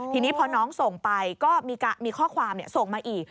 ทีนี้พอน้องส่งไปก็มีข้อความส่งมาอีก